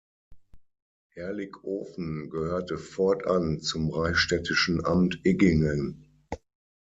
Herlikofen gehörte fortan zum reichsstädtischen "Amt Iggingen".